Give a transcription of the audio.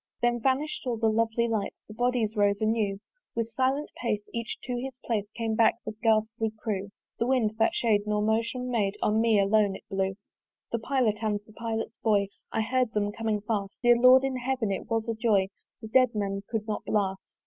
Then vanish'd all the lovely lights; The bodies rose anew: With silent pace, each to his place, Came back the ghastly crew. The wind, that shade nor motion made, On me alone it blew. The pilot, and the pilot's boy I heard them coming fast: Dear Lord in Heaven! it was a joy, The dead men could not blast.